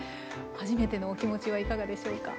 初めてのお気持ちはいかがでしょうか？